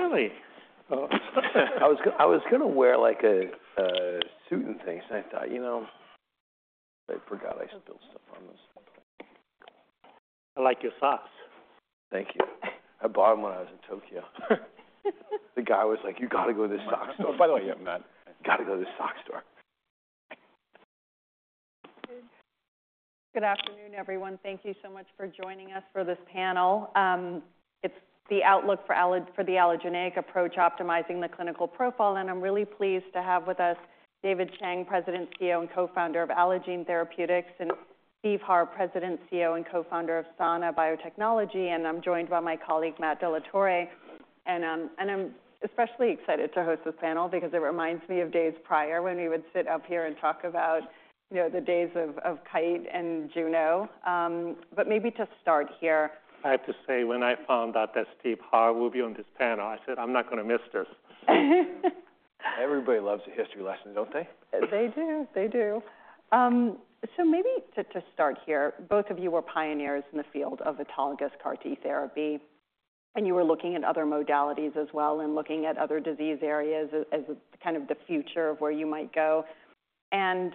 Really? I was going to wear, like, a suit and things, and I thought, you know, I forgot I spilled stuff on this. I like your socks. Thank you. I bought them when I was in Tokyo. The guy was like: "You got to go to this sock store." By the way, you haven't met. You got to go to this sock store. Good afternoon, everyone. Thank you so much for joining us for this panel. It's the outlook for the allogeneic approach, optimizing the clinical profile, and I'm really pleased to have with us David Chang, President, CEO, and Co-founder of Allogene Therapeutics, and Steve Harr, President, CEO, and Co-founder of Sana Biotechnology. I'm joined by my colleague, Matt Dela Torre, and I'm especially excited to host this panel because it reminds me of days prior when we would sit up here and talk about, you know, the days of Kite and Juno. But maybe to start here. I have to say, when I found out that Steve Harr will be on this panel, I said, "I'm not going to miss this. Everybody loves a history lesson, don't they? They do. They do. So maybe to start here, both of you were pioneers in the field of autologous CAR T therapy, and you were looking at other modalities as well and looking at other disease areas as kind of the future of where you might go. And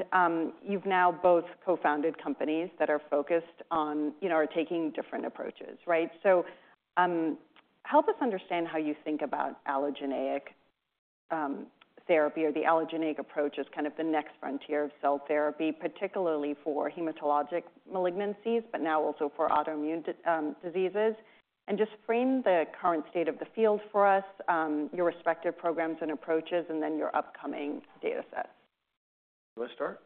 you've now both co-founded companies that are focused on, you know, are taking different approaches, right? So help us understand how you think about allogeneic therapy or the allogeneic approach as kind of the next frontier of cell therapy, particularly for hematologic malignancies, but now also for autoimmune diseases. And just frame the current state of the field for us, your respective programs and approaches, and then your upcoming data sets. You want to start?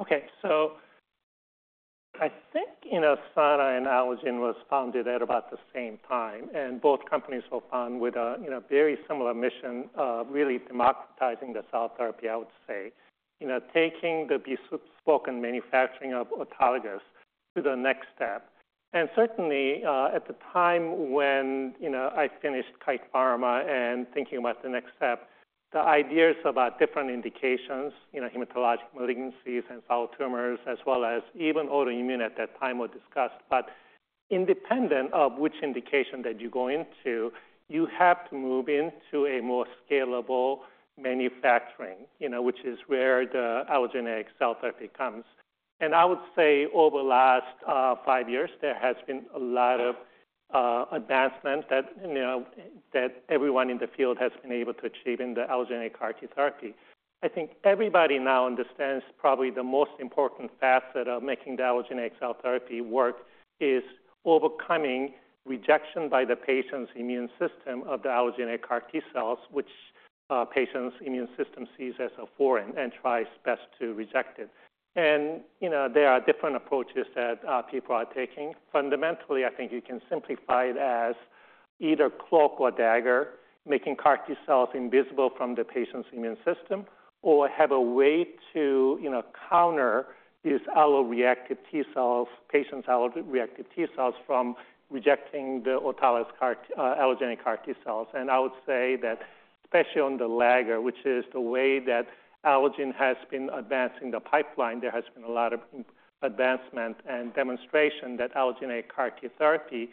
Okay, so I think, you know, Sana and Allogene was founded at about the same time, and both companies were founded with a, you know, very similar mission, really democratizing the cell therapy, I would say. You know, taking the bespoke and manufacturing of autologous to the next step. And certainly, at the time when, you know, I finished Kite Pharma and thinking about the next step, the ideas about different indications, you know, hematologic malignancies and solid tumors, as well as even autoimmune at that time, were discussed. But independent of which indication that you go into, you have to move into a more scalable manufacturing, you know, which is where the allogeneic cell therapy comes. I would say over the last five years, there has been a lot of advancements that, you know, that everyone in the field has been able to achieve in the allogeneic CAR T therapy. I think everybody now understands probably the most important facet of making the allogeneic cell therapy work is overcoming rejection by the patient's immune system of the allogeneic CAR T-cells, which patient's immune system sees as a foreign and tries best to reject it. You know, there are different approaches that people are taking. Fundamentally, I think you can simplify it as either cloak or dagger, making CAR T-cells invisible from the patient's immune system, or have a way to, you know, counter these alloreactive T-cells, patient's alloreactive T-cells, from rejecting the autologous CAR T. Allogeneic CAR T-cells. I would say that, especially on the allogeneic, which is the way that Allogene has been advancing the pipeline, there has been a lot of advancement and demonstration that allogeneic CAR T therapy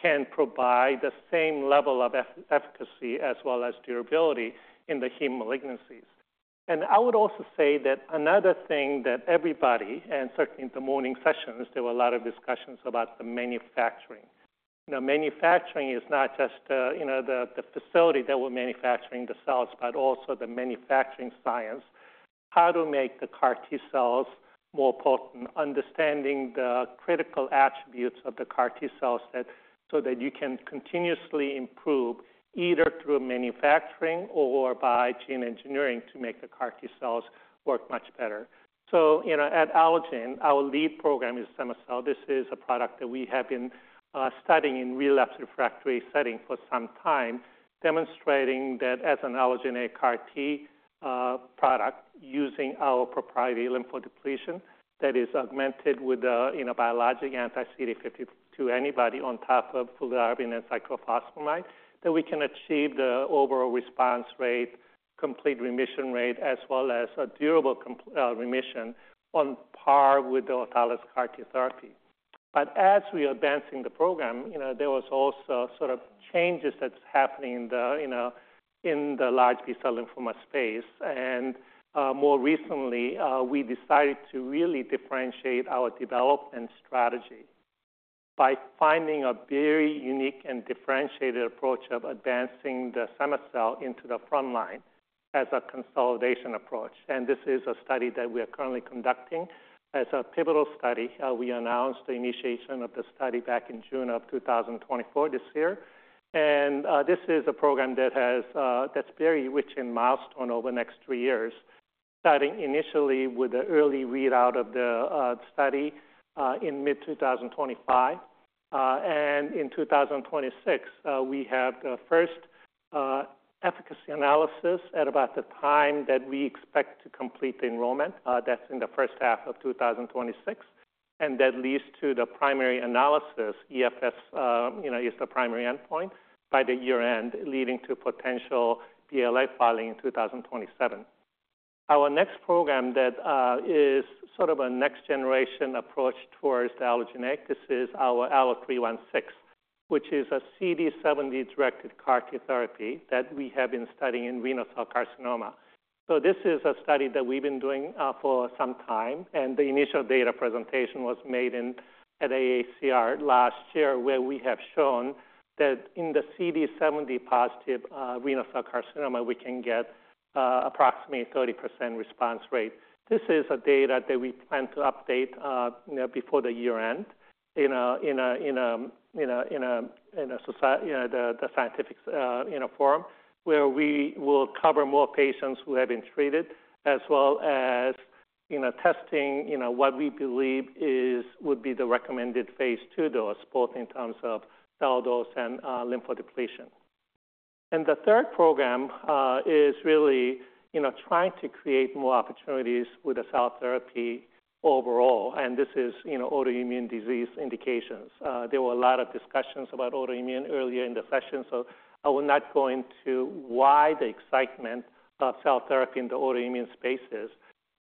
can provide the same level of efficacy as well as durability in the hematologic malignancies. I would also say that another thing that everybody, and certainly in the morning sessions, there were a lot of discussions about the manufacturing. You know, manufacturing is not just, you know, the facility that we're manufacturing the cells, but also the manufacturing science. How to make the CAR T-cells more potent, understanding the critical attributes of the CAR T-cell set, so that you can continuously improve, either through manufacturing or by gene engineering, to make the CAR T-cells work much better. You know, at Allogene, our lead program is cema-cel. This is a product that we have been studying in relapsed refractory setting for some time, demonstrating that as an allogeneic CAR T product, using our proprietary lymphodepletion that is augmented with a you know biologic anti-CD52 antibody on top of fludarabine and cyclophosphamide, that we can achieve the overall response rate, complete remission rate, as well as a durable remission on par with the autologous CAR T therapy, but as we are advancing the program, you know, there was also sort of changes that's happening in the, you know, in the large B-cell lymphoma space, and more recently we decided to really differentiate our development strategy by finding a very unique and differentiated approach of advancing the cema-cel into the frontline as a consolidation approach, and this is a study that we are currently conducting as a pivotal study. We announced the initiation of the study back in June of 2024, this year. This is a program that's very rich in milestones over the next three years, starting initially with the early readout of the study in mid-2025. And in 2026, we have the first efficacy analysis at about the time that we expect to complete the enrollment. That's in the first half of 2026, and that leads to the primary analysis. EFS, you know, is the primary endpoint by the year-end, leading to potential BLA filing in 2027. Our next program that is sort of a next generation approach towards allogeneic. This is our ALLO-316, which is a CD70-directed CAR T therapy that we have been studying in renal cell carcinoma. So this is a study that we've been doing for some time, and the initial data presentation was made at AACR last year, where we have shown that in the CD70 positive renal cell carcinoma, we can get approximately 30% response rate. This is a data that we plan to update you know before the year end in a scientific forum where we will cover more patients who have been treated as well as you know testing you know what we believe is would be the recommended phase II dose both in terms of cell dose and lymphodepletion. And the third program is really you know trying to create more opportunities with the cell therapy overall, and this is you know autoimmune disease indications. There were a lot of discussions about autoimmune earlier in the session, so I will not go into why the excitement about cell therapy in the autoimmune space is.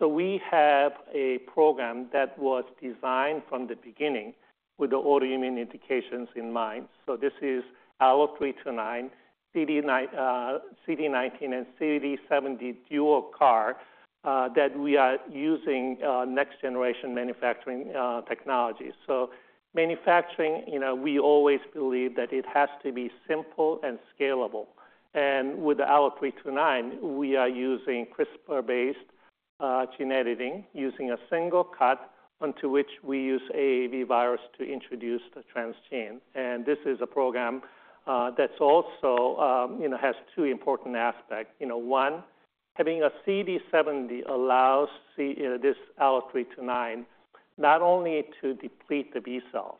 So we have a program that was designed from the beginning with the autoimmune indications in mind. So this is ALLO-329, CD19 and CD70 dual CAR, that we are using, next generation manufacturing, technologies. So manufacturing, you know, we always believe that it has to be simple and scalable. And with ALLO-329, we are using CRISPR-based, gene editing, using a single cut onto which we use AAV virus to introduce the transgene. And this is a program, that's also, you know, has two important aspects. You know, one, having a CD70 allows this ALLO-329 not only to deplete the B-cells,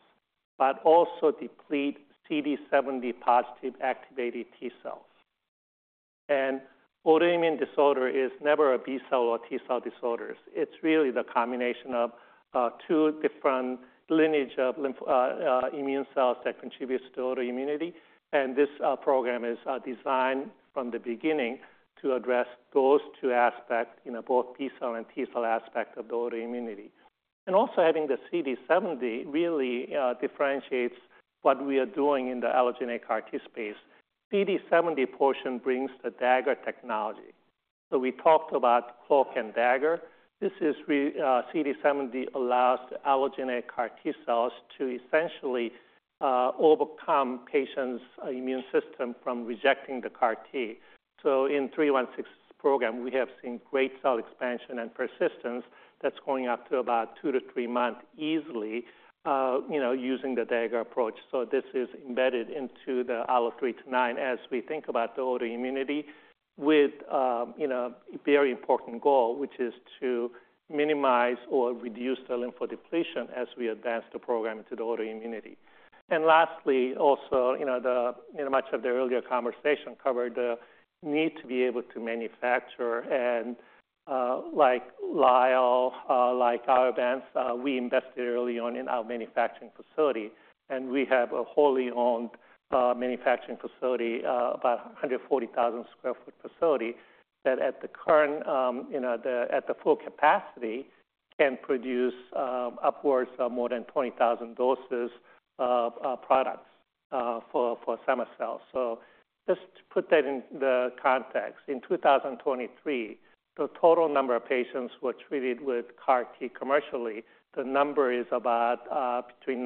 but also deplete CD70 positive activated T-cells. And autoimmune disorder is never a B-cell or T-cell disorders. It's really the combination of two different lineage of lymphoid immune cells that contributes to autoimmunity, and this program is designed from the beginning to address those two aspects, you know, both B-cell and T-cell aspect of the autoimmunity. And also, I think the CD70 really differentiates what we are doing in the allogeneic CAR T space. CD70 portion brings the dagger technology. So we talked about cloak and dagger. This is we, CD70 allows the allogeneic CAR T-cells to essentially overcome patient's immune system from rejecting the CAR T. In 316 program, we have seen great cell expansion and persistence that's going up to about two to three months easily, you know, using the dagger approach. This is embedded into the ALLO-329 as we think about the autoimmunity with, you know, a very important goal, which is to minimize or reduce the lymphodepletion as we advance the program to the autoimmunity. Lastly, also, you know, much of the earlier conversation covered the need to be able to manufacture and, like Lyell, like our endeavors, we invested early on in our manufacturing facility, and we have a wholly owned manufacturing facility, about 140,000 sq ft facility, that at the current, you know, at the full capacity, can produce upwards of more than 20,000 doses of products for stem cells. So just to put that in the context, in 2023, the total number of patients were treated with CAR T commercially. The number is about between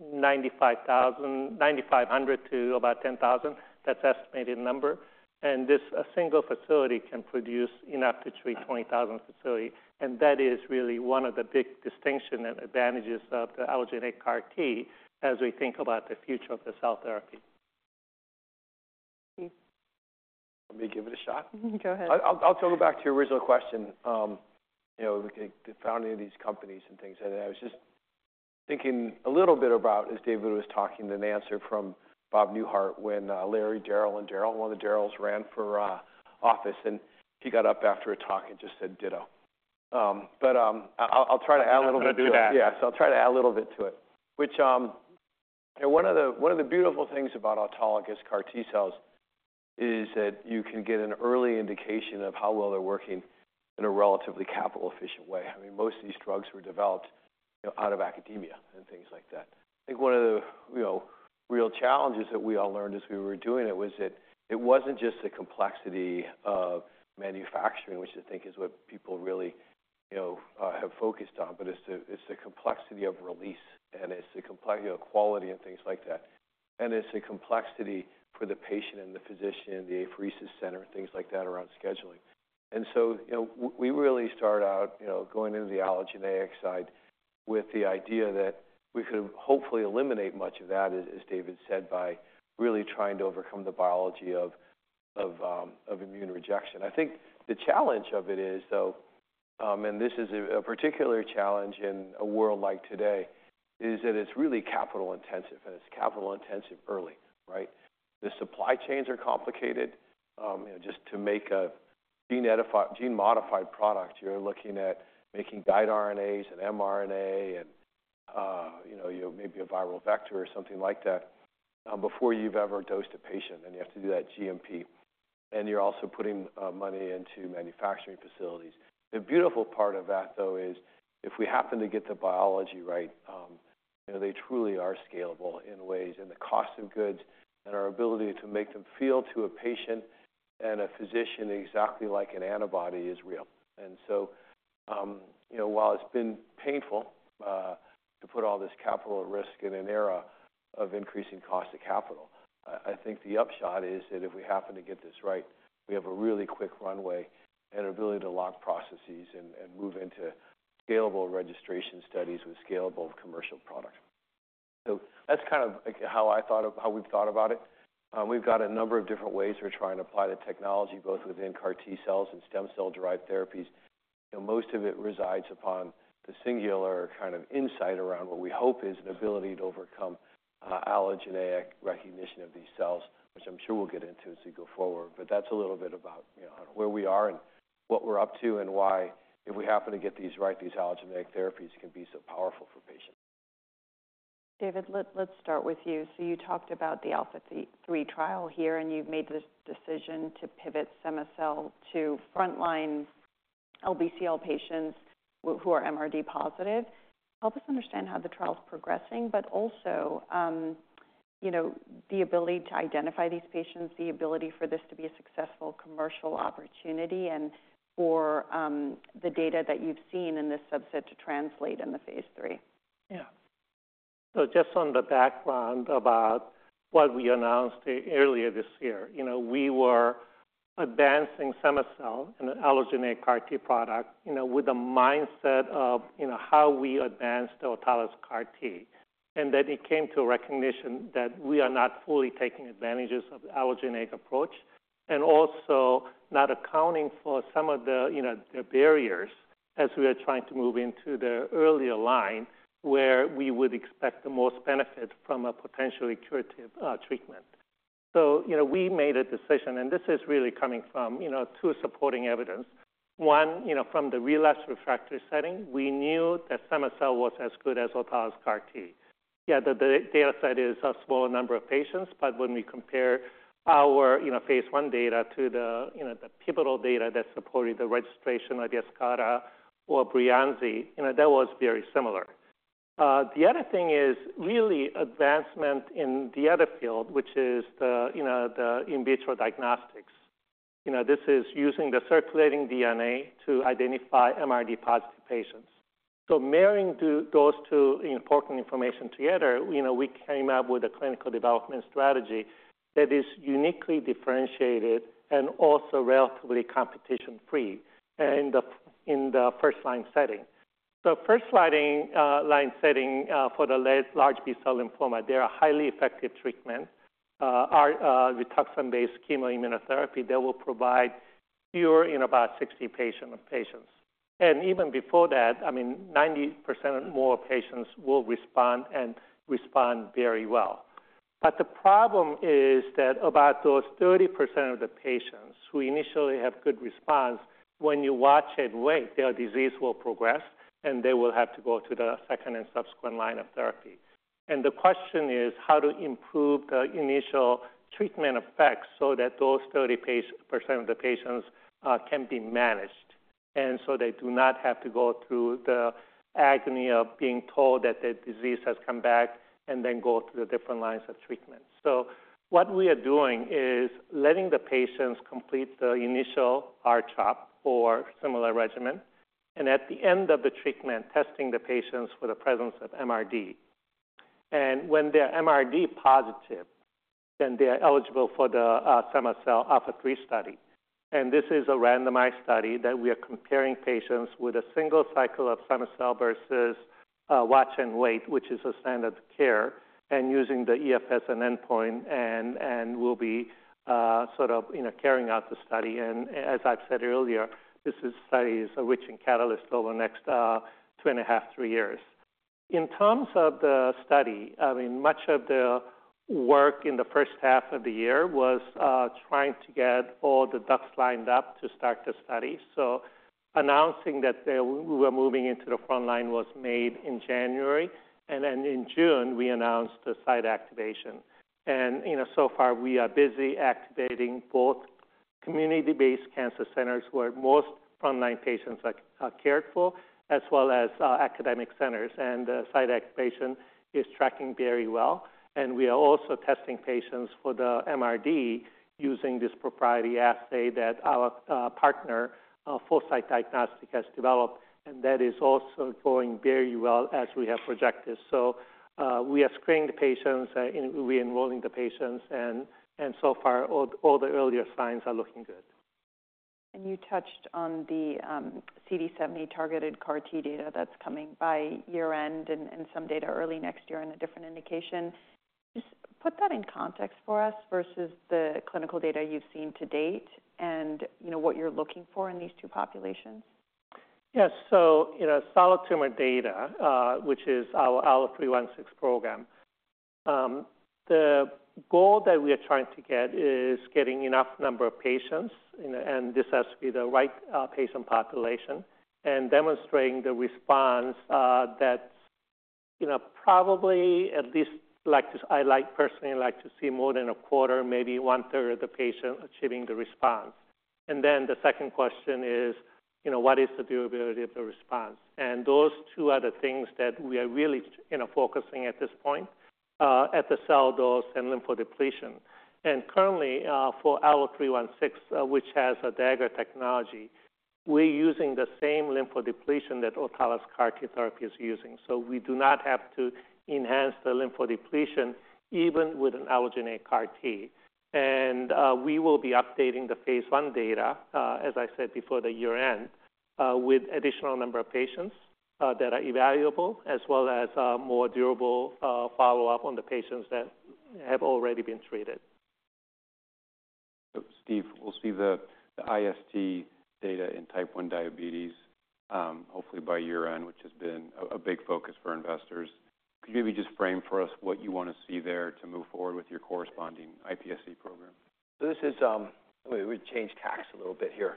9,500 to about 10,000. That's estimated number. This, a single facility can produce enough to treat 20,000 patients, and that is really one of the big distinctions and advantages of the allogeneic CAR T as we think about the future of the cell therapy. Let me give it a shot. Go ahead. I'll go back to your original question, you know, the founding of these companies and things. I was just thinking a little bit about, as David was talking, an answer from Bob Newhart when Larry, Darryl, and Darryl, one of the Darryls ran for office, and he got up after a talk and just said: Ditto. But I'll try to add a little bit to it. Do that. Yeah, so I'll try to add a little bit to it. Which, you know, one of the beautiful things about autologous CAR T-cells is that you can get an early indication of how well they're working in a relatively capital-efficient way. I mean, most of these drugs were developed, you know, out of academia and things like that. I think one of the, you know, real challenges that we all learned as we were doing it was that it wasn't just the complexity of manufacturing, which I think is what people really, you know, have focused on, but it's the complexity of release, and it's the complexity of quality and things like that, and it's the complexity for the patient and the physician, the apheresis center, and things like that around scheduling. And so, you know, we really start out, you know, going into the allogeneic side with the idea that we could hopefully eliminate much of that, as David said, by really trying to overcome the biology of immune rejection. I think the challenge of it is, though, and this is a particular challenge in a world like today, is that it's really capital intensive, and it's capital intensive early, right? The supply chains are complicated. You know, just to make a gene-modified product, you're looking at making guide RNAs and mRNA and, you know, maybe a viral vector or something like that, before you've ever dosed a patient, and you have to do that GMP, and you're also putting money into manufacturing facilities. The beautiful part of that, though, is if we happen to get the biology right, you know, they truly are scalable in ways, and the cost of goods and our ability to make them feel to a patient and a physician exactly like an antibody is real. And so, you know, while it's been painful, to put all this capital at risk in an era of increasing cost of capital, I think the upshot is that if we happen to get this right, we have a really quick runway and ability to lock processes and move into scalable registration studies with scalable commercial products. So that's kind of like how I thought of how we've thought about it. We've got a number of different ways we're trying to apply the technology, both within CAR T-cells and stem cell-derived therapies, and most of it resides upon the singular kind of insight around what we hope is an ability to overcome allogeneic recognition of these cells, which I'm sure we'll get into as we go forward. But that's a little bit about, you know, where we are and what we're up to and why, if we happen to get these right, these allogeneic therapies can be so powerful for patients. David, let's start with you, so you talked about the ALPHA3 trial here, and you've made the decision to pivot cema-cel to frontline LBCL patients who are MRD positive. Help us understand how the trial is progressing, but also, you know, the ability to identify these patients, the ability for this to be a successful commercial opportunity, and for the data that you've seen in this subset to translate in the phase III. Yeah. So just on the background about what we announced earlier this year, you know, we were advancing cema-cel and an allogeneic CAR T product, you know, with the mindset of, you know, how we advanced the autologous CAR T. And then it came to a recognition that we are not fully taking advantages of the allogeneic approach, and also not accounting for some of the, you know, the barriers as we are trying to move into the earlier line, where we would expect the most benefit from a potentially curative treatment. So, you know, we made a decision, and this is really coming from, you know, two supporting evidence. One, you know, from the relapsed refractory setting, we knew that cema-cel was as good as autologous CAR T. Yeah, the data set is a smaller number of patients, but when we compare our, you know, phase I data to the, you know, the pivotal data that supported the registration of YESCARTA or BREYANZI, you know, that was very similar. The other thing is really advancement in the other field, which is the, you know, the in vitro diagnostics. You know, this is using the circulating DNA to identify MRD-positive patients. So marrying those two important information together, you know, we came up with a clinical development strategy that is uniquely differentiated and also relatively competition free, and up in the first line setting. So first line setting for the large B-cell lymphoma, they are highly effective treatment. Our rituximab-based chemoimmunotherapy, they will provide cure in about 60 patients. Even before that, I mean, 90% or more patients will respond and respond very well. The problem is that about those 30% of the patients who initially have good response, when you watch and wait, their disease will progress, and they will have to go to the second and subsequent line of therapy. The question is, how to improve the initial treatment effects so that those 30% of the patients can be managed, and so they do not have to go through the agony of being told that their disease has come back and then go through the different lines of treatment. What we are doing is letting the patients complete the initial R-CHOP or similar regimen, and at the end of the treatment, testing the patients for the presence of MRD. When they are MRD positive, then they are eligible for the cema-cel ALPHA3 study. This is a randomized study that we are comparing patients with a single cycle of cema-cel versus watch and wait, which is standard care, and using the EFS as endpoint, and we'll be sort of, you know, carrying out the study. As I've said earlier, this study is an R&D catalyst over the next two and a half, three years. In terms of the study, I mean, much of the work in the first half of the year was trying to get all the ducks lined up to start the study. So announcing that we were moving into the frontline was made in January, and then in June, we announced the site activation. You know, so far we are busy activating both community-based cancer centers, where most frontline patients are cared for, as well as academic centers. The site activation is tracking very well, and we are also testing patients for the MRD using this proprietary assay that our partner Foresight Diagnostics has developed, and that is also going very well as we have projected. We are screening the patients, and we're enrolling the patients, and so far all the earlier signs are looking good. You touched on the CD70-targeted CAR T data that's coming by year-end and some data early next year in a different indication. Just put that in context for us versus the clinical data you've seen to date and, you know, what you're looking for in these two populations. Yes. So in a solid tumor data, which is our ALLO-316 program, the goal that we are trying to get is getting enough number of patients, and this has to be the right patient population, and demonstrating the response that, you know, probably at least I personally like to see more than a quarter, maybe one-third of the patient achieving the response. And then the second question is, you know, what is the durability of the response? And those two are the things that we are really, you know, focusing at this point at the cell dose and lymphodepletion. And currently, for ALLO-316, which has a dagger technology, we're using the same lymphodepletion that autologous CAR-T therapy is using. So we do not have to enhance the lymphodepletion, even with an allogeneic CAR-T. We will be updating the phase I data, as I said before, the year-end, with additional number of patients that are evaluable as well as more durable follow-up on the patients that have already been treated. So Steve, we'll see the IST data in type 1 diabetes, hopefully by year-end, which has been a big focus for investors. Could you maybe just frame for us what you want to see there to move forward with your corresponding iPSC program? This is. We've changed tacks a little bit here.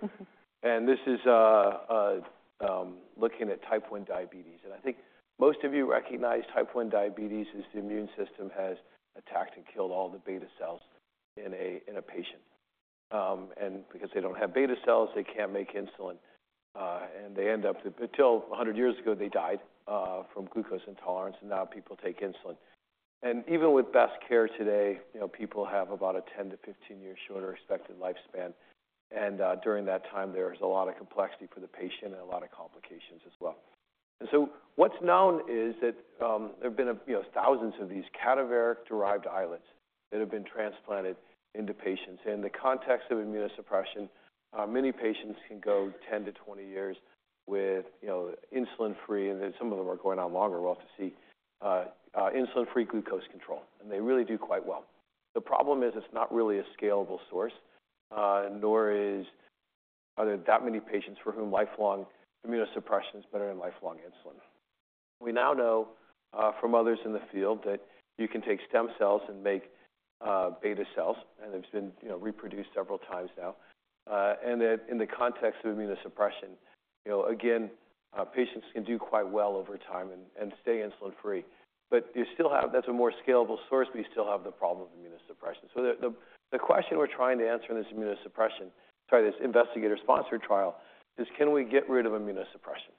This is looking at Type 1 diabetes, and I think most of you recognize Type 1 diabetes as the immune system has attacked and killed all the beta cells in a patient. Because they don't have beta cells, they can't make insulin, and they end up. Until 100 years ago, they died from glucose intolerance, and now people take insulin. Even with best care today, you know, people have about a 10- to 15-year shorter expected lifespan. During that time, there's a lot of complexity for the patient and a lot of complications as well. What's known is that there have been, you know, thousands of these cadaveric-derived islets that have been transplanted into patients. In the context of immunosuppression, many patients can go 10 to 20 years with, you know, insulin free, and then some of them are going on longer. We'll have to see, insulin-free glucose control, and they really do quite well. The problem is it's not really a scalable source, nor are there that many patients for whom lifelong immunosuppression is better than lifelong insulin. We now know, from others in the field that you can take stem cells and make, beta cells, and it's been, you know, reproduced several times now. And that in the context of immunosuppression, you know, again, patients can do quite well over time and stay insulin free. But you still have. That's a more scalable source, but you still have the problem of immunosuppression. So the question we're trying to answer in this immunosuppression, sorry, this investigator-sponsored trial, is: Can we get rid of immunosuppression?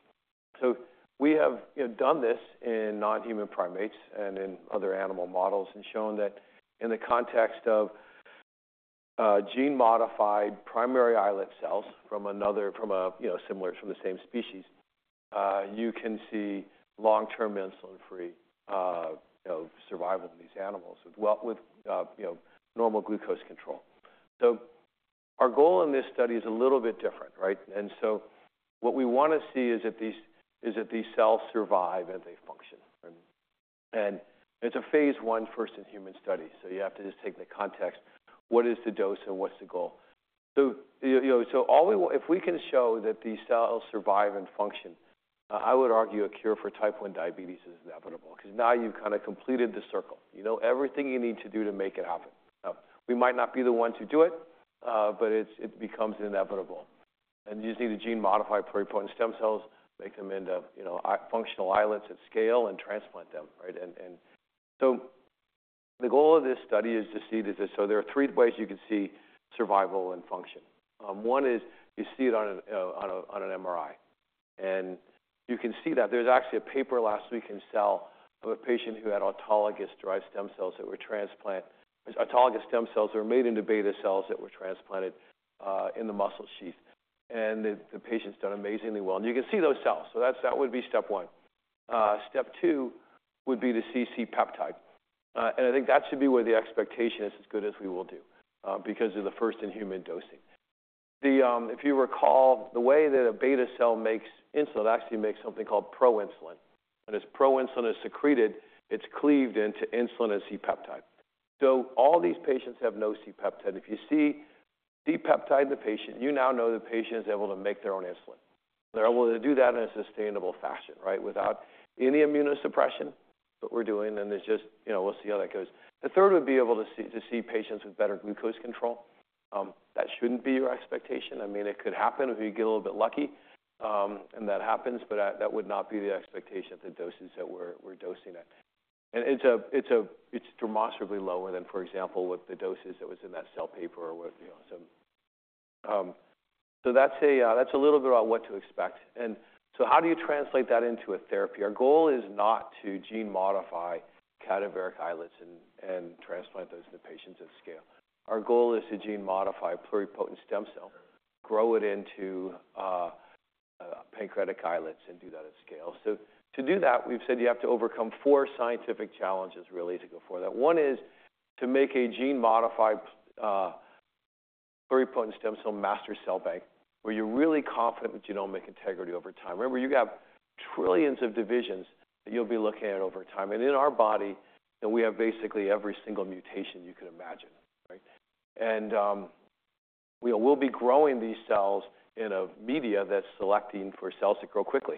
So we have, you know, done this in non-human primates and in other animal models, and shown that in the context of gene-modified primary islet cells from a you know similar from the same species, you can see long-term insulin free you know survival in these animals with you know normal glucose control. So our goal in this study is a little bit different, right? And so what we want to see is if these cells survive and they function. And it's a phase I first-in-human study, so you have to just take the context, what is the dose and what's the goal? If we can show that these cells survive and function, I would argue a cure for type one diabetes is inevitable because now you've kind of completed the circle. You know everything you need to do to make it happen. We might not be the ones who do it, but it becomes inevitable. And using the gene-modified pluripotent stem cells, make them into, you know, functional islets at scale and transplant them, right? And so the goal of this study is to see this. So there are three ways you can see survival and function. One is you see it on an MRI, and you can see that there's actually a paper last week in Cell of a patient who had autologous-derived stem cells that were transplant. Autologous stem cells that were made into beta cells that were transplanted in the muscle sheath, and the patient's done amazingly well, and you can see those cells, so that's that would be step one. Step two would be the C-peptide, and I think that should be where the expectation is as good as we will do, because of the first in human dosing. If you recall, the way that a beta cell makes insulin, it actually makes something called proinsulin, and as proinsulin is secreted, it's cleaved into insulin and C-peptide. So all these patients have no C-peptide. If you see C-peptide in the patient, you now know the patient is able to make their own insulin. They're able to do that in a sustainable fashion, right, without any immunosuppression that we're doing, and it's just, you know, we'll see how that goes. The third would be able to see patients with better glucose control. That shouldn't be your expectation. I mean, it could happen if you get a little bit lucky, and that happens, but that would not be the expectation of the doses that we're dosing at. And it's demonstrably lower than, for example, with the doses that was in that cell paper or with, you know, some. So that's a little bit about what to expect. And so how do you translate that into a therapy? Our goal is not to gene modify cadaveric islets and transplant those to patients at scale. Our goal is to gene modify a pluripotent stem cell, grow it into a pancreatic islets, and do that at scale. So to do that, we've said you have to overcome four scientific challenges, really, to go for that. One is to make a gene-modified pluripotent stem cell master cell bank, where you're really confident with genomic integrity over time. Remember, you have trillions of divisions that you'll be looking at over time, and in our body, and we have basically every single mutation you can imagine, and we will be growing these cells in a media that's selecting for cells to grow quickly,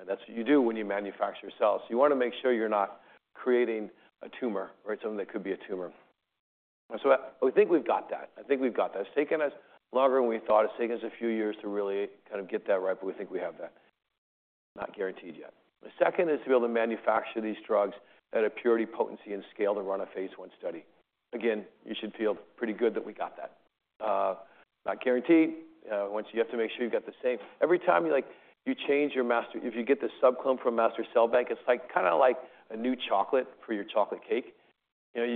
and that's what you do when you manufacture cells. You wanna make sure you're not creating a tumor or something that could be a tumor. And so I, we think we've got that. I think we've got that. It's taken us longer than we thought. It's taken us a few years to really kind of get that right, but we think we have that. Not guaranteed yet. The second is to be able to manufacture these drugs at a purity, potency, and scale to run a phase I study. Again, you should feel pretty good that we got that. Not guaranteed. Once you have to make sure you've got the same. Every time you, like, you change your master, if you get the subclone from a master cell bank, it's like, kinda like a new chocolate for your chocolate cake. You know,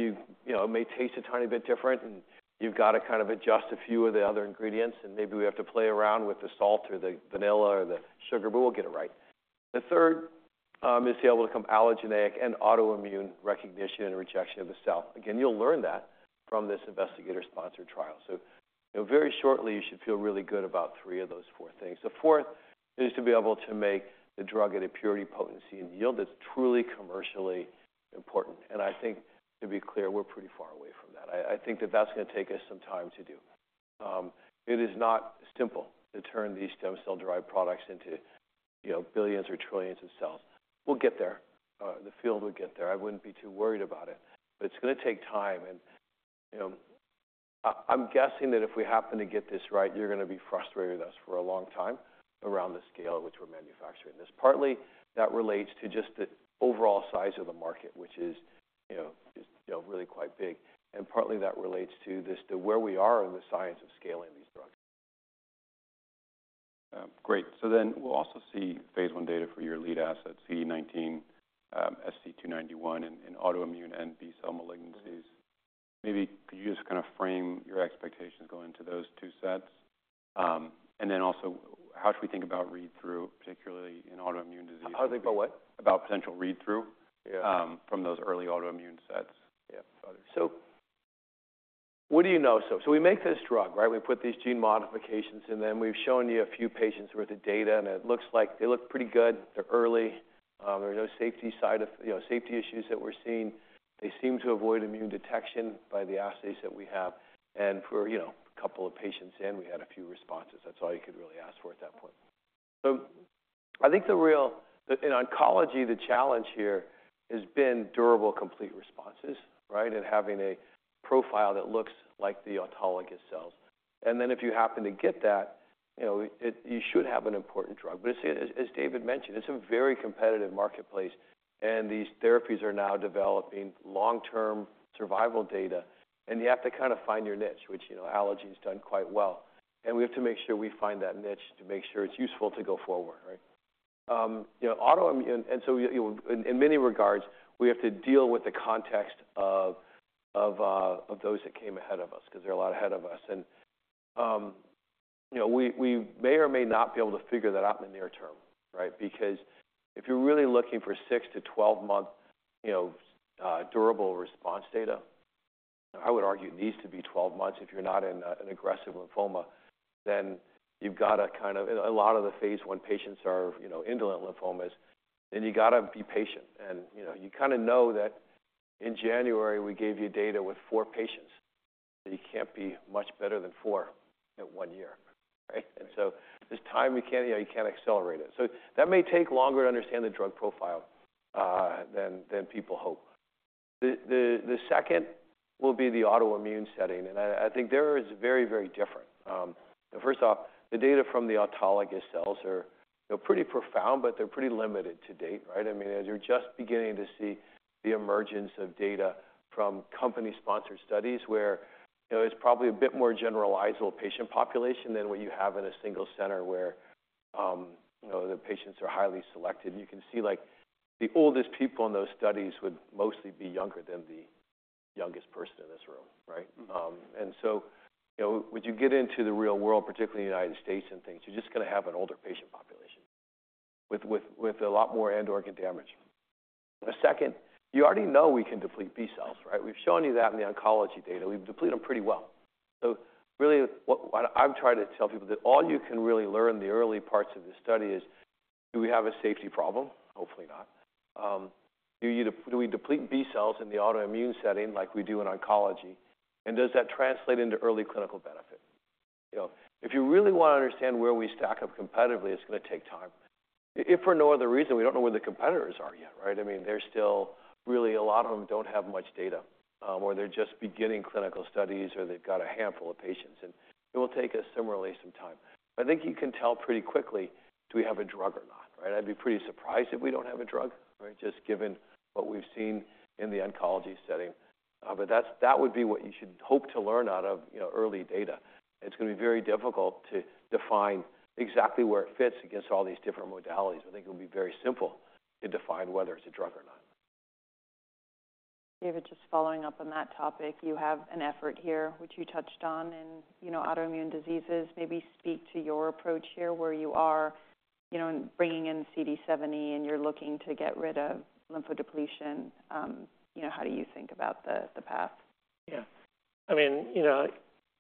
you know, it may taste a tiny bit different, and you've got to kind of adjust a few of the other ingredients, and maybe we have to play around with the salt or the vanilla or the sugar, but we'll get it right. The third is to be able to overcome allogeneic and autoimmune recognition and rejection of the cell. Again, you'll learn that from this investigator-sponsored trial. So, you know, very shortly, you should feel really good about three of those four things. The fourth is to be able to make the drug at a purity, potency, and yield that's truly commercially important, and I think, to be clear, we're pretty far away from that. I, I think that that's gonna take us some time to do. It is not simple to turn these stem cell-derived products into, you know, billions or trillions of cells. We'll get there. The field will get there. I wouldn't be too worried about it, but it's gonna take time, and, you know, I, I'm guessing that if we happen to get this right, you're gonna be frustrated with us for a long time around the scale at which we're manufacturing this. Partly, that relates to just the overall size of the market, which is, you know, really quite big, and partly that relates to this, to where we are in the science of scaling these drugs. Great. So then we'll also see phase I data for your lead asset, CD19, SC291 in autoimmune and B-cell malignancies. Maybe could you just kind of frame your expectations going to those two sets? And then also, how should we think about read-through, particularly in autoimmune diseases? How think about what? About potential read-through. Yeah. from those early autoimmune sets? Yeah. So what do you know? So we make this drug, right? We put these gene modifications in them. We've shown you a few patients worth of data, and it looks like they look pretty good. They're early. There are no safety issues that we're seeing. You know, they seem to avoid immune detection by the assays that we have, and for, you know, a couple of patients in, we had a few responses. That's all you could really ask for at that point. So I think the real. In oncology, the challenge here has been durable, complete responses, right? And having a profile that looks like the autologous cells. And then if you happen to get that, you know, it, you should have an important drug. But as David mentioned, it's a very competitive marketplace, and these therapies are now developing long-term survival data, and you have to kind of find your niche, which, you know, Allogene's done quite well. And we have to make sure we find that niche to make sure it's useful to go forward, right? You know, autoimmune, and so, you know, in many regards, we have to deal with the context of those that came ahead of us because they're a lot ahead of us. And you know, we may or may not be able to figure that out in the near term, right? Because if you're really looking for six-to-twelve-month, you know, durable response data, I would argue it needs to be twelve months if you're not in an aggressive lymphoma, then you've got to kind of. A lot of the phase I patients are, you know, indolent lymphomas, then you gotta be patient, and, you know, you kinda know that in January, we gave you data with four patients, and you can't be much better than four at one year, right, and so it's time, we can't, you know, you can't accelerate it, so that may take longer to understand the drug profile than people hope. The second will be the autoimmune setting, and I think there it's very, very different. First off, the data from the autologous cells are, you know, pretty profound, but they're pretty limited to date, right? I mean, as you're just beginning to see the emergence of data from company-sponsored studies where, you know, it's probably a bit more generalizable patient population than what you have in a single center where, you know, the patients are highly selected. You can see, like, the oldest people in those studies would mostly be younger than the youngest person in this room, right? Mm-hmm. And so, you know, once you get into the real world, particularly in the United States and things, you're just gonna have an older patient population with a lot more end organ damage. The second, you already know we can deplete B-cells, right? We've shown you that in the oncology data. We've depleted them pretty well. So really, what I'm trying to tell people that all you can really learn in the early parts of this study is: Do we have a safety problem? Hopefully not. Do we deplete B-cells in the autoimmune setting like we do in oncology, and does that translate into early clinical benefit? You know, if you really wanna understand where we stack up competitively, it's gonna take time. If for no other reason, we don't know where the competitors are yet, right? I mean, they're still. Really, a lot of them don't have much data, or they're just beginning clinical studies, or they've got a handful of patients, and it will take us similarly some time. I think you can tell pretty quickly, do we have a drug or not, right? I'd be pretty surprised if we don't have a drug, right? Just given what we've seen in the oncology setting. But that's, that would be what you should hope to learn out of, you know, early data. It's gonna be very difficult to define exactly where it fits against all these different modalities. I think it would be very simple to define whether it's a drug or not. David, just following up on that topic, you have an effort here, which you touched on in, you know, autoimmune diseases. Maybe speak to your approach here, where you are, you know, bringing in CD70, and you're looking to get rid of lymphodepletion. You know, how do you think about the path? Yeah. I mean, you know,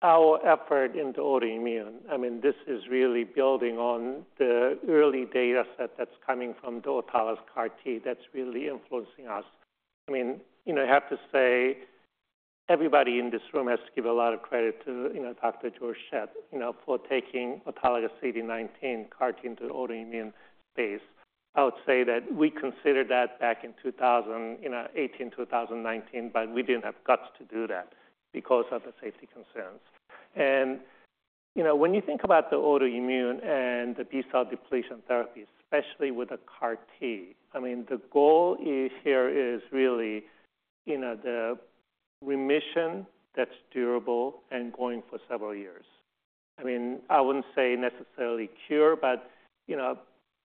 our effort into autoimmune, I mean, this is really building on the early data set that's coming from the autologous CAR T that's really influencing us. I mean, you know, I have to say, everybody in this room has to give a lot of credit to, you know, Dr. Georg Schett, you know, for taking autologous CD19 CAR T into the autoimmune space. I would say that we considered that back in 2018, 2019, but we didn't have guts to do that because of the safety concerns. You know, when you think about the autoimmune and the B-cell depletion therapy, especially with a CAR T, I mean, the goal here is really, you know, the remission that's durable and going for several years. I mean, I wouldn't say necessarily cure, but, you know,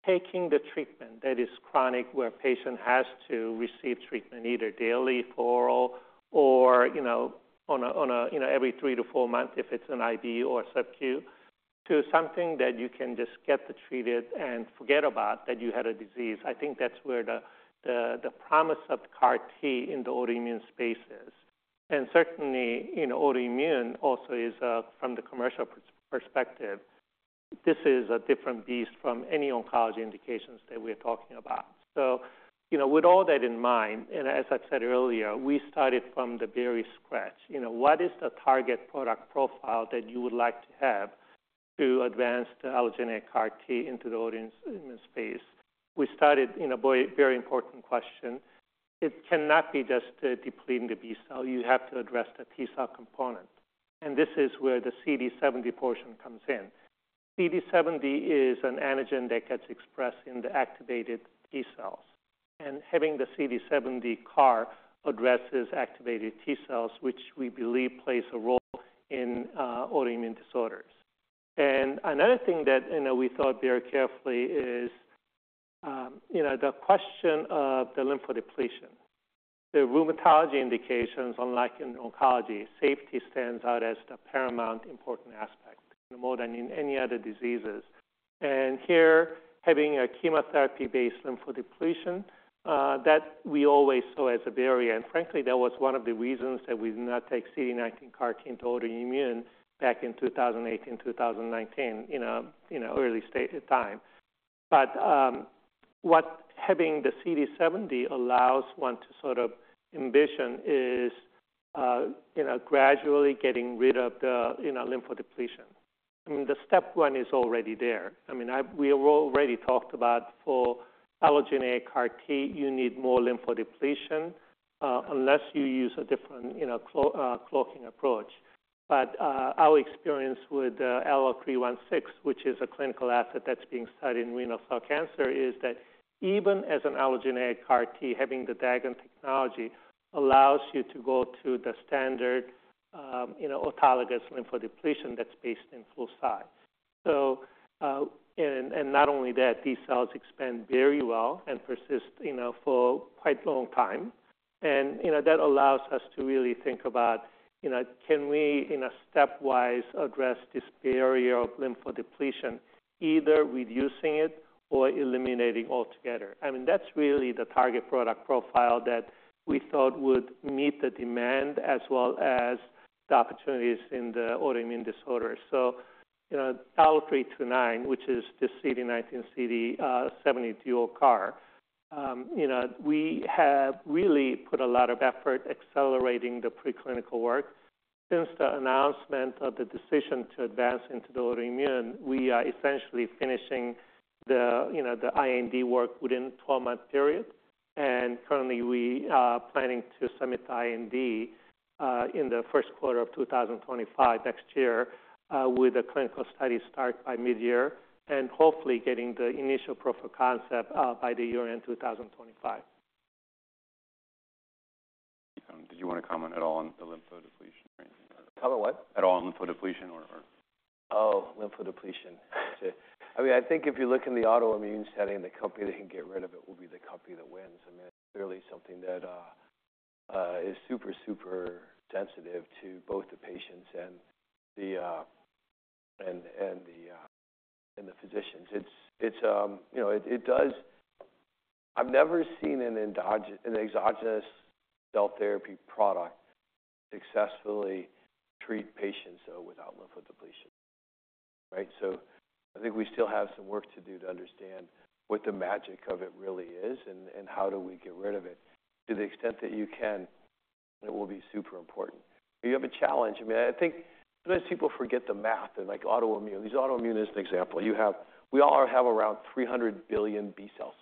taking the treatment that is chronic, where a patient has to receive treatment either daily for all or, you know, on a, you know, every three to four months, if it's an IV or subq, to something that you can just get it treated and forget about that you had a disease. I think that's where the promise of CAR T in the autoimmune space is. And certainly in autoimmune also is from the commercial perspective, this is a different beast from any oncology indications that we're talking about. So, you know, with all that in mind, and as I said earlier, we started from scratch. You know, what is the target product profile that you would like to have to advance the allogeneic CAR T into the autoimmune space? We started in a very, very important question. It cannot be just, depleting the B-cell, you have to address the T-cell component, and this is where the CD70 portion comes in. CD70 is an antigen that gets expressed in the activated T-cells, and having the CD70 CAR addresses activated T-cells, which we believe plays a role in, autoimmune disorders. And another thing that, you know, we thought very carefully is, you know, the question of the lymphodepletion. The rheumatology indications, unlike in oncology, safety stands out as the paramount important aspect, more than in any other diseases. And here, having a chemotherapy-based lymphodepletion, that we always saw as a barrier. Frankly, that was one of the reasons that we did not take CD19 CAR T into autoimmune back in 2018, 2019, in an early stage of time. But what having the CD70 allows one to sort of envision is, you know, gradually getting rid of the lymphodepletion. I mean, the step one is already there. I mean, we already talked about for allogeneic CAR T, you need more lymphodepletion, unless you use a different, you know, cloaking approach. But our experience with ALLO-316, which is a clinical asset that's being studied in renal cell cancer, is that even as an allogeneic CAR T, having the Allogene technology allows you to go to the standard, you know, autologous lymphodepletion that's based on fludarabine. Not only that, these cells expand very well and persist, you know, for quite a long time, and you know, that allows us to really think about, you know, can we in a stepwise address this barrier of lymphodepletion, either reducing it or eliminating altogether? I mean, that's really the target product profile that we thought would meet the demand as well as the opportunities in the autoimmune disorder, so you know, ALLO-329, which is the CD19, CD70 dual CAR. You know, we have really put a lot of effort accelerating the preclinical work. Since the announcement of the decision to advance into the autoimmune, we are essentially finishing the, you know, the IND work within a twelve-month period, and currently we are planning to submit the IND in the first quarter of 2025, next year, with a clinical study start by mid-year, and hopefully getting the initial proof of concept by the year end 2025. Did you want to comment at all on the lymphodepletion or anything? Comment what? At all on lymphodepletion or? Oh, lymphodepletion. I mean, I think if you look in the autoimmune setting, the company that can get rid of it will be the company that wins. I mean, that's really something that is super, super sensitive to both the patients and the physicians. It's you know, it does. I've never seen an exogenous cell therapy product successfully treat patients though, without lymphodepletion, right? So I think we still have some work to do to understand what the magic of it really is and how do we get rid of it. To the extent that you can, it will be super important. You have a challenge. I mean, I think most people forget the math and, like, autoimmune. Use autoimmune as an example. We all have around three hundred billion B-cells,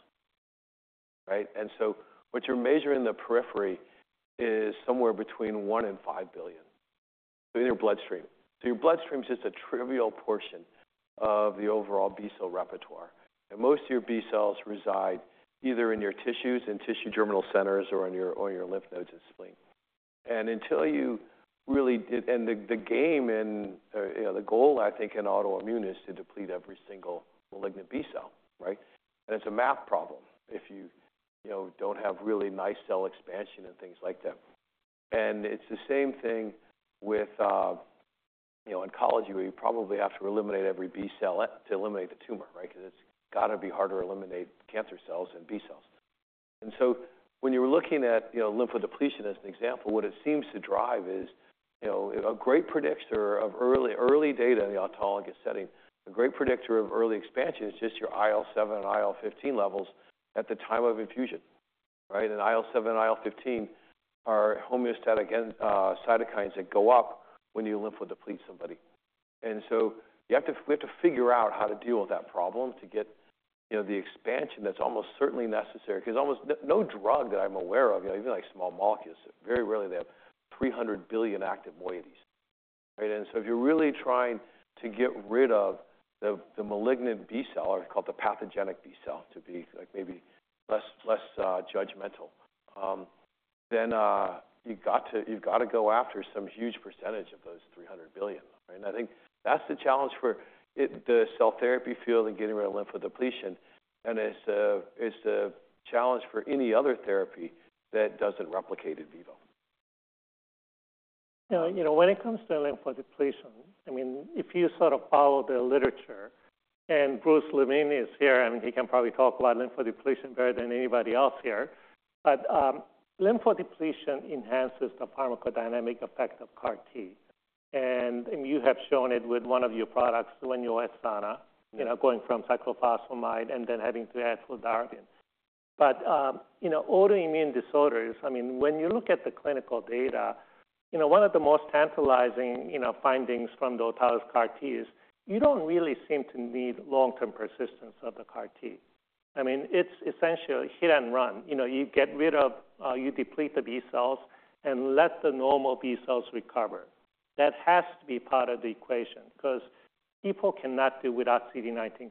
right? And so what you measure in the periphery is somewhere between one and five billion in your bloodstream. So your bloodstream is just a trivial portion of the overall B-cell repertoire. And most of your B-cells reside either in your tissues, in tissue germinal centers, or in your lymph nodes and spleen. And the game and, you know, the goal, I think, in autoimmune is to deplete every single malignant B-cell, right? And it's a math problem if you, you know, don't have really nice cell expansion and things like that. And it's the same thing with, you know, oncology, where you probably have to eliminate every B-cell to eliminate the tumor, right? Because it's got to be hard to eliminate cancer cells and B-cells. So when you're looking at, you know, lymphodepletion as an example, what it seems to drive is, you know, a great predictor of early, early data in the autologous setting. A great predictor of early expansion is just your IL-7 and IL-15 levels at the time of infusion, right? And IL-7 and IL-15 are homeostatic and cytokines that go up when you lymphodeplete somebody. And so you have to, we have to figure out how to deal with that problem to get, you know, the expansion that's almost certainly necessary, because almost no drug that I'm aware of, even like small molecules, very rarely they have three hundred billion active moieties. Right? So if you're really trying to get rid of the malignant B-cell, or called the pathogenic B-cell, to be like maybe less judgmental, then you've got to go after some huge percentage of those 300 billion. Right? I think that's the challenge for the cell therapy field and getting rid of lymphodepletion. It's a challenge for any other therapy that doesn't replicate in vivo. You know, when it comes to lymphodepletion, I mean, if you sort of follow the literature and Bruce Levine is here, I mean, he can probably talk about lymphodepletion better than anybody else here. But, lymphodepletion enhances the pharmacodynamic effect of CAR T, and you have shown it with one of your products when you're at Sana, you know, going from cyclophosphamide and then heading to fludarabine. But, you know, autoimmune disorders, I mean, when you look at the clinical data, you know, one of the most tantalizing, you know, findings from the autologous CAR T is you don't really seem to need long-term persistence of the CAR T. I mean, it's essentially hit and run. You know, you get rid of, you deplete the B-cells and let the normal B-cells recover. That has to be part of the equation because people cannot do without CD19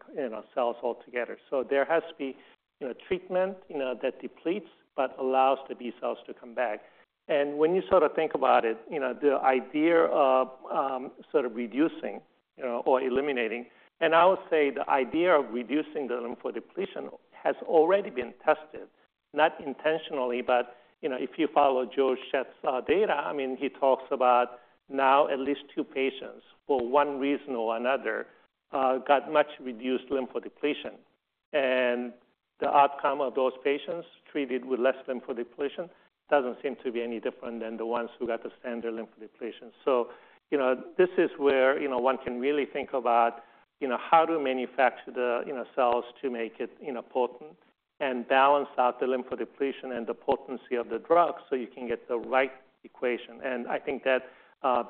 cells altogether. So there has to be, you know, treatment, you know, that depletes but allows the B-cells to come back. And when you sort of think about it, you know, the idea of sort of reducing, you know, or eliminating, and I would say the idea of reducing the lymphodepletion has already been tested. Not intentionally, but, you know, if you follow Georg Schett's data, I mean, he talks about now at least two patients for one reason or another got much reduced lymphodepletion. And the outcome of those patients treated with less lymphodepletion doesn't seem to be any different than the ones who got the standard lymphodepletion. So you know, this is where, you know, one can really think about, you know, how to manufacture the, you know, cells to make it, you know, potent and balance out the lymphodepletion and the potency of the drug so you can get the right equation. And I think that,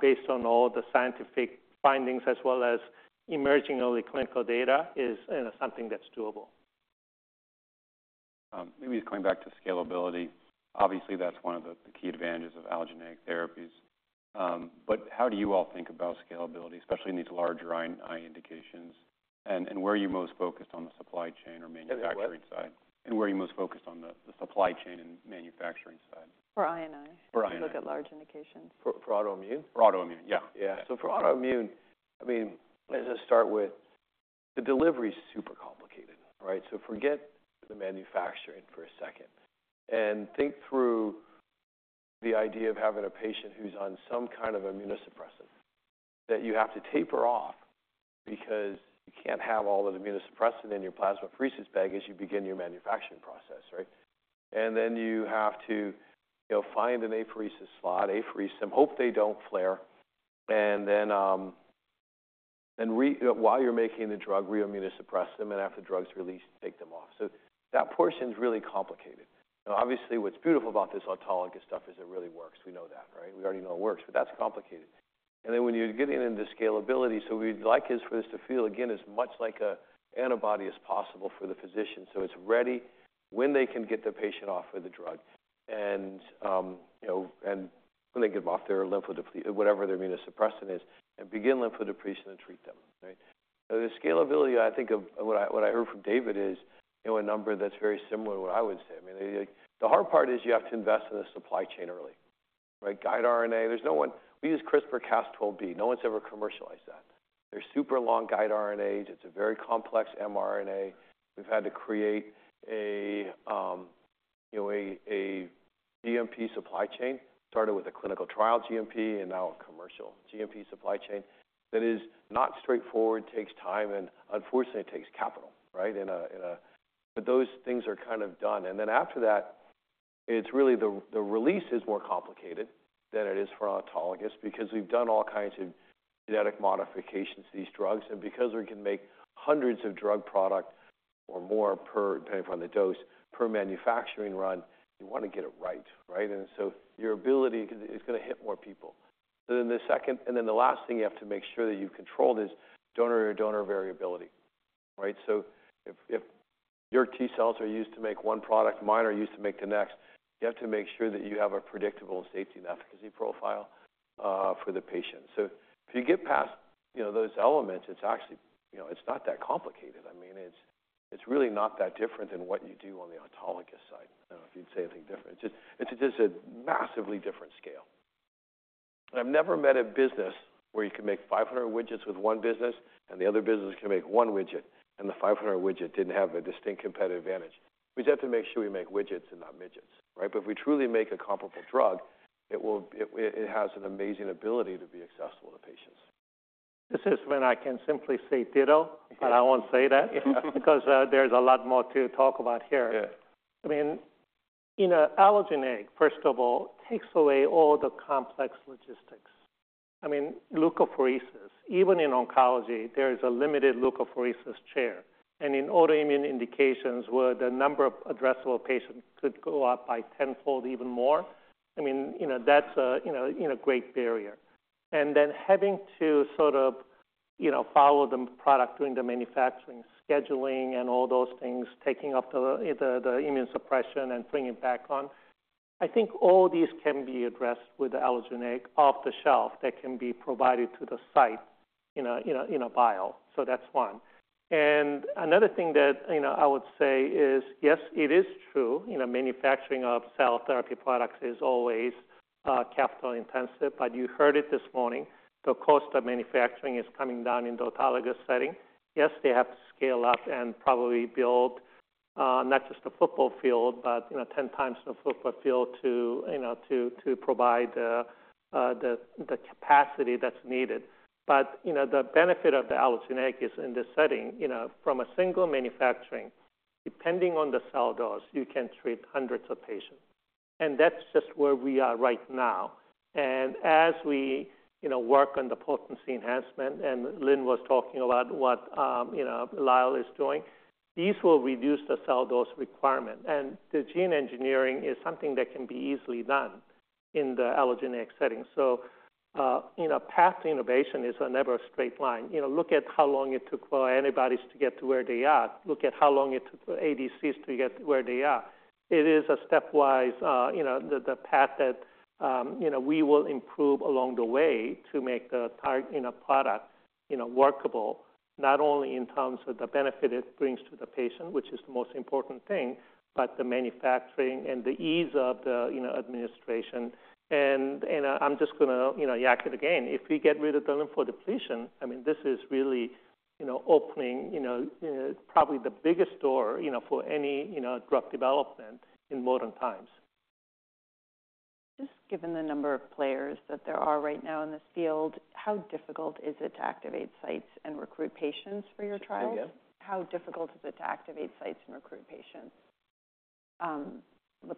based on all the scientific findings as well as emerging early clinical data, is something that's doable. Maybe it's going back to scalability. Obviously, that's one of the key advantages of allogeneic therapies, but how do you all think about scalability, especially in these larger I&I indications? And where are you most focused on the supply chain or manufacturing side? For I&I. For I&I. If you look at large indications. For autoimmune? For autoimmune, yeah. Yeah. So for autoimmune, I mean, let's just start with the delivery is super complicated, right? So forget the manufacturing for a second and think through the idea of having a patient who's on some kind of immunosuppressant that you have to taper off because you can't have all that immunosuppressant in your plasmapheresis bag as you begin your manufacturing process, right? And then you have to, you know, find an apheresis slot and hope they don't flare. And then while you're making the drug, re-immunosuppress them, and after the drug's released, take them off. So that portion is really complicated. Now, obviously, what's beautiful about this autologous stuff is it really works. We know that, right? We already know it works, but that's complicated. Then when you're getting into scalability, so we'd like is for this to feel again, as much like an antibody as possible for the physician. So it's ready when they can get the patient off of the drug and, you know, and when they get them off their lymphodeplete, whatever their immunosuppressant is, and begin lymphodepletion to treat them, right? The scalability, I think of what I heard from David is, you know, a number that's very similar to what I would say. I mean, the hard part is you have to invest in the supply chain early, right? Guide RNA, there's no one. We use CRISPR-Cas12b. No one's ever commercialized that. There's super long guide RNAs. It's a very complex mRNA. We've had to create a, you know, a GMP supply chain, started with a clinical trial GMP, and now a commercial GMP supply chain that is not straightforward, takes time, and unfortunately, it takes capital, right? But those things are kind of done, and then after that, it's really the release is more complicated than it is for autologous because we've done all kinds of genetic modifications to these drugs, and because we can make hundreds of drug products or more per, depending upon the dose, per manufacturing run, you want to get it right, right? And so your ability is going to hit more people. So then the second, and then the last thing you have to make sure that you control is donor variability, right? So if your T-cells are used to make one product, mine are used to make the next, you have to make sure that you have a predictable safety and efficacy profile for the patient. So if you get past, you know, those elements, it's actually, you know, it's not that complicated. I mean, it's really not that different than what you do on the autologous side. I don't know if you'd say anything different. It's just a massively different scale. I've never met a business where you can make five hundred widgets with one business, and the other business can make one widget, and the five hundred widget didn't have a distinct competitive advantage. We just have to make sure we make widgets and not midgets, right? But if we truly make a comparable drug, it has an amazing ability to be accessible to patients. This is when I can simply say ditto, but I won't say that because there's a lot more to talk about here. Yeah. I mean, in allogeneic, first of all, takes away all the complex logistics. I mean, leukapheresis, even in oncology, there is a limited leukapheresis chair, and in autoimmune indications, where the number of addressable patients could go up by tenfold even more, I mean, you know, that's a great barrier. And then having to sort of, you know, follow the product during the manufacturing, scheduling, and all those things, taking up the immunosuppression and bringing it back on. I think all these can be addressed with the allogeneic off the shelf that can be provided to the site in a vial. So that's one. And another thing that, you know, I would say is, yes, it is true, you know, manufacturing of cell therapy products is always capital intensive, but you heard it this morning, the cost of manufacturing is coming down in the autologous setting. Yes, they have to scale up and probably build not just a football field, but you know, 10 times the football field to, you know, to provide the capacity that's needed. But, you know, the benefit of the allogeneic is in this setting, you know, from a single manufacturing, depending on the cell dose, you can treat hundreds of patients, and that's just where we are right now. And as we, you know, work on the potency enhancement, and Lynn was talking about what, you know, Lyell is doing, these will reduce the cell dose requirement, and the gene engineering is something that can be easily done in the allogeneic setting. So, you know, path to innovation is never a straight line. You know, look at how long it took for antibodies to get to where they are. Look at how long it took ADCs to get where they are. It is a stepwise, you know, the path that, you know, we will improve along the way to make the target in a product, you know, workable, not only in terms of the benefit it brings to the patient, which is the most important thing, but the manufacturing and the ease of the, you know, administration. I'm just going to, you know, yak it again. If we get rid of the lymphodepletion, I mean, this is really, you know, opening, you know, probably the biggest door, you know, for any, you know, drug development in modern times. Just given the number of players that there are right now in this field, how difficult is it to activate sites and recruit patients for your trials? Yeah. How difficult is it to activate sites and recruit patients,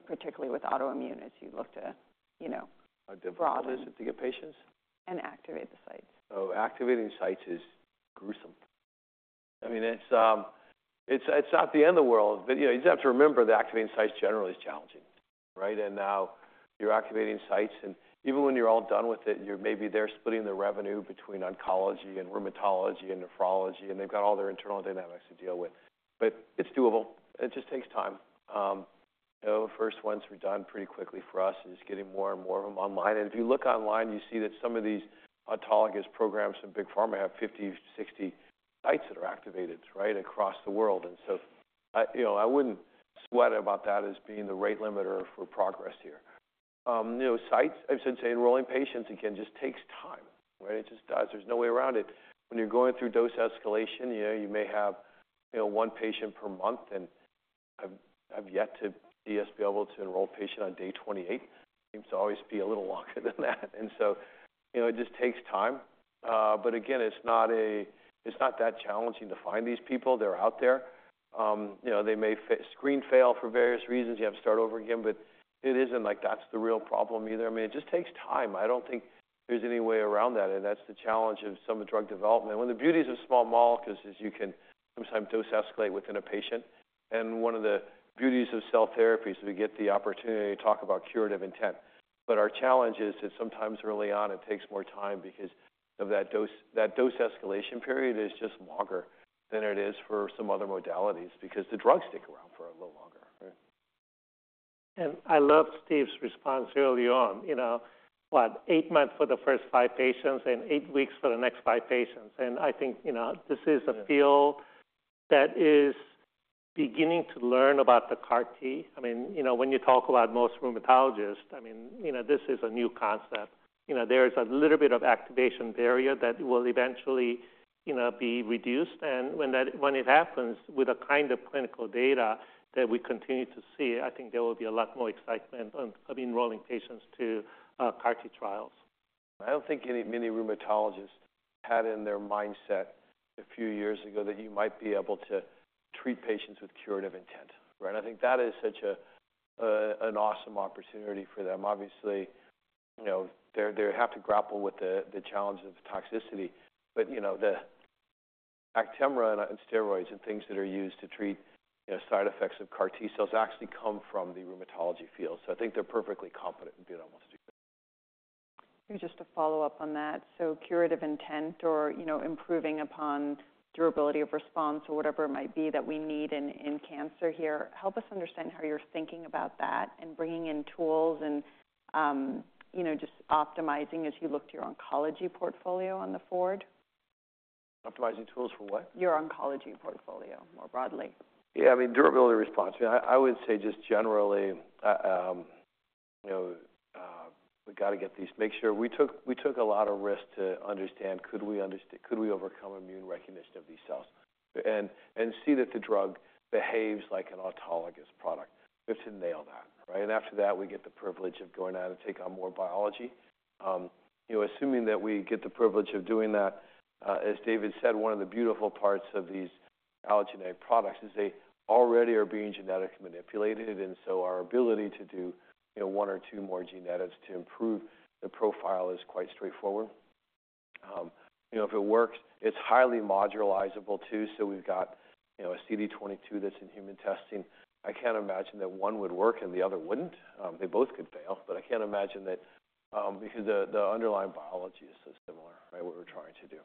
particularly with autoimmune as you look to, you know- How difficult it is to get patients? Activate the sites. Oh, activating sites is gruesome. I mean, it's not the end of the world, but, you know, you'd have to remember that activating sites generally is challenging, right? And now you're activating sites, and even when you're all done with it, you're maybe there splitting the revenue between oncology and rheumatology and nephrology, and they've got all their internal dynamics to deal with. But it's doable. It just takes time. The first ones were done pretty quickly for us, is getting more and more of them online. And if you look online, you see that some of these autologous programs in big pharma have 50-60 sites that are activated right across the world. And so I. You know, I wouldn't sweat about that as being the rate limiter for progress here. You know, sites, I've said enrolling patients, again, just takes time, right? It just does. There's no way around it. When you're going through dose escalation, you know, you may have, you know, one patient per month, and I've yet to see us be able to enroll patient on day twenty-eight. Seems to always be a little longer than that. And so, you know, it just takes time. But again, it's not that challenging to find these people. They're out there. You know, they may screen fail for various reasons. You have to start over again, but it isn't like that's the real problem either. I mean, it just takes time. I don't think there's any way around that, and that's the challenge of some of drug development. One of the beauties of small molecules is you can sometimes dose escalate within a patient, and one of the beauties of cell therapies, we get the opportunity to talk about curative intent. But our challenge is that sometimes early on, it takes more time because of that dose. That dose escalation period is just longer than it is for some other modalities because the drugs stick around for a little longer. I loved Steve's response early on, you know, what, eight months for the first five patients and eight weeks for the next five patients. I think, you know, this is a field that is beginning to learn about the CAR T. I mean, you know, when you talk about most rheumatologists, I mean, you know, this is a new concept. You know, there's a little bit of activation barrier that will eventually, you know, be reduced. When that happens with the kind of clinical data that we continue to see, I think there will be a lot more excitement on of enrolling patients to CAR T trials. I don't think many rheumatologists had in their mindset a few years ago that you might be able to treat patients with curative intent, right? I think that is such an awesome opportunity for them. Obviously, you know, they have to grapple with the challenge of toxicity, but, you know, the Actemra and steroids and things that are used to treat, you know, side effects of CAR T-cells actually come from the rheumatology field. So I think they're perfectly competent in being able to do that. Just to follow up on that, so curative intent or, you know, improving upon durability of response or whatever it might be that we need in cancer here. Help us understand how you're thinking about that and bringing in tools and, you know, just optimizing as you look to your oncology portfolio on the forward. Optimizing tools for what? Your oncology portfolio, more broadly. Yeah, I mean, durability response. I would say just generally, you know, we've got to get these. Make sure we took a lot of risk to understand could we overcome immune recognition of these cells? And see that the drug behaves like an autologous product. Just to nail that, right? And after that, we get the privilege of going out and take on more biology. You know, assuming that we get the privilege of doing that, as David said, one of the beautiful parts of these allogeneic products is they already are being genetically manipulated, and so our ability to do, you know, one or two more genetics to improve the profile is quite straightforward. You know, if it works, it's highly modularizable too. So we've got, you know, a CD22 that's in human testing. I can't imagine that one would work and the other wouldn't. They both could fail, but I can't imagine that, because the underlying biology is so similar, right, what we're trying to do.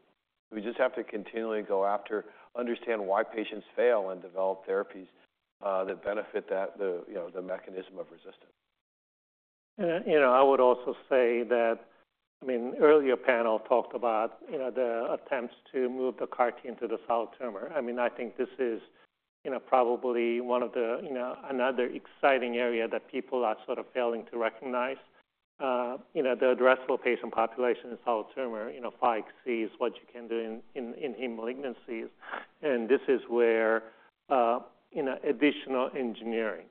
We just have to continually go after, understand why patients fail, and develop therapies that benefit the, you know, the mechanism of resistance. You know, I would also say that. I mean, earlier panel talked about, you know, the attempts to move the CAR T into the solid tumor. I mean, I think this is, you know, probably one of the, you know, another exciting area that people are sort of failing to recognize. You know, the addressable patient population in solid tumor, you know, far exceeds what you can do in malignancies. And this is where, you know, additional engineering,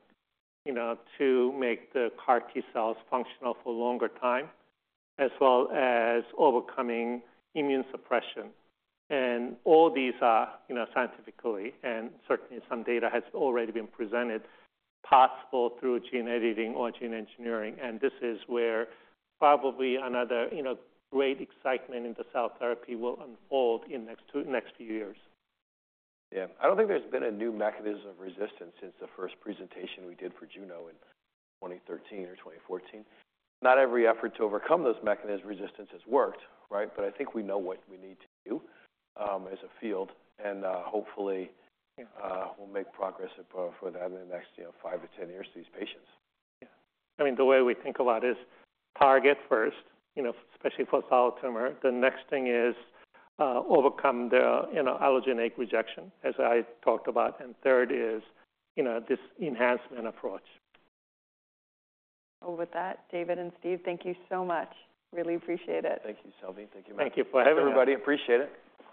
you know, to make the CAR T-cells functional for longer time, as well as overcoming immune suppression. And all these are, you know, scientifically and certainly some data has already been presented, possible through gene editing or gene engineering. And this is where probably another, you know, great excitement in the cell therapy will unfold in next few years. Yeah. I don't think there's been a new mechanism of resistance since the first presentation we did for Juno in twenty thirteen or twenty fourteen. Not every effort to overcome those mechanisms of resistance has worked, right? But I think we know what we need to do, as a field, and, hopefully, we'll make progress for that in the next, you know, five to ten years for these patients. Yeah. I mean, the way we think about is target first, you know, especially for solid tumor. The next thing is, overcome the, you know, allogeneic rejection, as I talked about. And third is, you know, this enhancement approach. With that, David and Steve, thank you so much. Really appreciate it. Thank you, Salveen. Thank you, Matt. Thank you for having us. Everybody, appreciate it.